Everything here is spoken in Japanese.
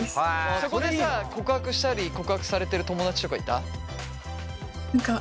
そこでさ告白したり告白されてる友だちとかいた？